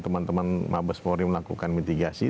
teman teman mabes polri melakukan mitigasi